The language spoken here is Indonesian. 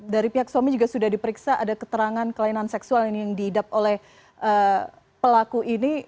dari pihak suami juga sudah diperiksa ada keterangan kelainan seksual ini yang diidap oleh pelaku ini